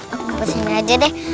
aku mau ke sini aja deh